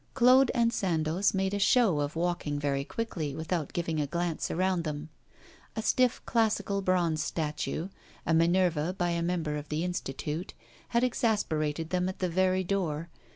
Claude and Sandoz made a show of walking very quickly without giving a glance around them. A stiff classical bronze statue, a Minerva by a member of the Institute, had exasperated them at the very door.